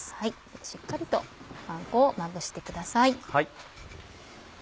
しっかりとパン粉をまぶしてください。